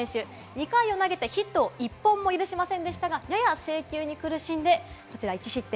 ２回を投げてヒットを１本も許しませんでしたが、やや制球に苦しんで１失点。